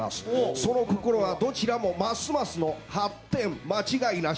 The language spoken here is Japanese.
その心はどちらもますますの発展間違いなし。